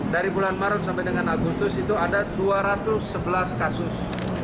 dari bulan maret sampai dengan agustus itu ada dua ratus sebelas kasus